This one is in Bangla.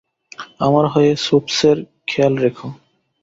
আমার হয়ে সুপসের খেয়াল রেখো।